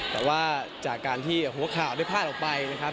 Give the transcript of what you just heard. แต่ว่าจากการที่หัวข่าวได้พลาดออกไปนะครับ